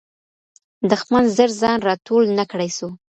دښمن زر ځان را ټول نه کړی سو.